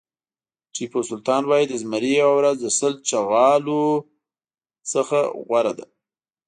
ټيپو سلطان وایي د زمري یوه ورځ د سل چغالو نه غوره ده.